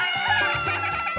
アハハハ！